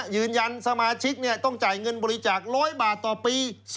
ยืนยันสมาชิกต้องจ่ายเงินบริจาค๑๐๐บาทต่อปี